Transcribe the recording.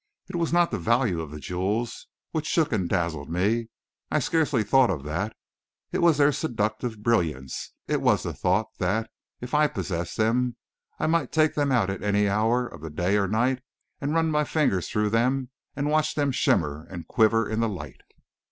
It was not the value of the jewels which shook and dazzled me I scarcely thought of that; it was their seductive brilliance, it was the thought that, if I possessed them, I might take them out at any hour of the day or night and run my fingers through them and watch them shimmer and quiver in the light.